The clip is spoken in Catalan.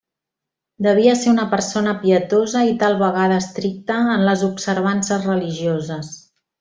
Devia ser una persona pietosa i tal vegada estricta en les observances religioses.